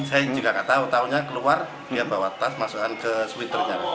saya juga gak tau taunya keluar dia bawa tas masukkan ke sweaternya